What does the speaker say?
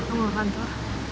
aku mau ke kantor